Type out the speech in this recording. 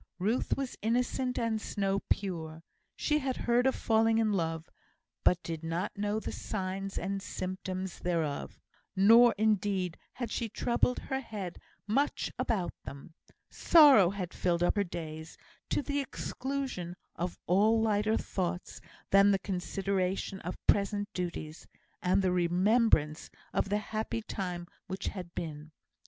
Ruth was innocent and snow pure. She had heard of falling in love, but did not know the signs and symptoms thereof; nor, indeed, had she troubled her head much about them. Sorrow had filled up her days, to the exclusion of all lighter thoughts than the consideration of present duties, and the remembrance of the happy time which had been.